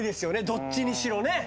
どっちにしろね。